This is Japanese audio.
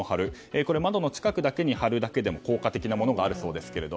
これは窓の近くに貼るだけでも効果的なものがあるそうです。